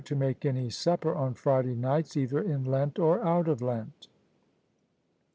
to make any supper on Friday nights, either in Lent or out of Lent.